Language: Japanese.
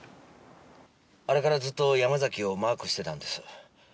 あれからずっと山崎をマークしてたんです。